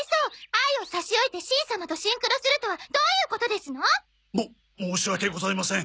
あいを差し置いてしん様とシンクロするとはどういうことですの！？も申し訳ございません。